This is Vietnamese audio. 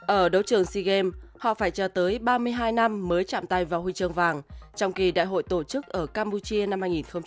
ở đấu trường sea games họ phải chờ tới ba mươi hai năm mới chạm tay vào huy trường vàng trong kỳ đại hội tổ chức ở campuchia năm hai nghìn một mươi tám